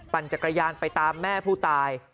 จักรยานไปตามแม่ผู้ตาย